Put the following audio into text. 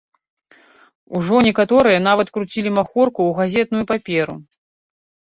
Ужо некаторыя нават круцілі махорку ў газетную паперу.